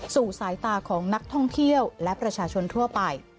สายตาของนักท่องเที่ยวและประชาชนทั่วไป